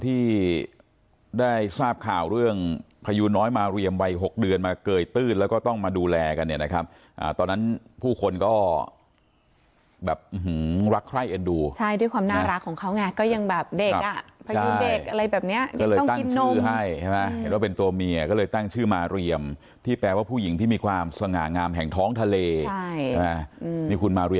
ที่ได้ทราบข่าวเรื่องพยูน้อยมาเรียมวัย๖เดือนมาเกยตื้นแล้วก็ต้องมาดูแลกันเนี่ยนะครับตอนนั้นผู้คนก็แบบรักใคร่เอ็นดูใช่ด้วยความน่ารักของเขาไงก็ยังแบบเด็กอ่ะพยูนเด็กอะไรแบบเนี้ยก็เลยตั้งชื่อให้ใช่ไหมเห็นว่าเป็นตัวเมียก็เลยตั้งชื่อมาเรียมที่แปลว่าผู้หญิงที่มีความสง่างามแห่งท้องทะเลใช่ใช่ไหมนี่คุณมาริ